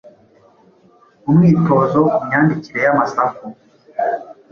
Umwitozo ku myandikire y’amasaku